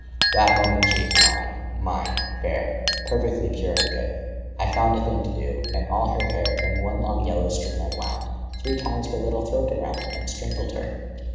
35 That moment she was mine, mine, fair, Perfectly pure and good: I found A thing to do, and all her hair In one long yellow string I wound Three times her little throat around, 40 And strangled her.